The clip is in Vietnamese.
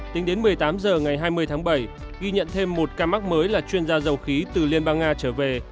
tính đến một mươi tám h ngày hai mươi tháng bảy ghi nhận thêm một ca mắc mới là chuyên gia dầu khí từ liên bang nga trở về